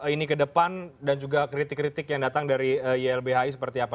ini ke depan dan juga kritik kritik yang datang dari ylbhi seperti apa